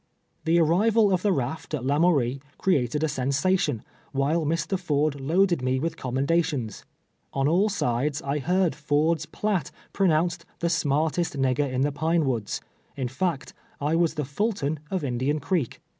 The arrival of the raft at Lamourie created a sen sation, while Mr. Ford loaded me with commenda tions. On all sides I heard Ford's Piatt pronounced the " smartest nigger in the Pine Woods" •— in fact I was the Fulton of Indian Creek.